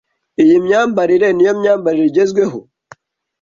Iyi myambarire niyo myambarire igezweho?